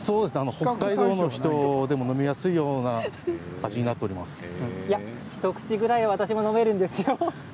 北海道の人でも飲みやすいような味に一口ぐらい私も飲めるんですよ。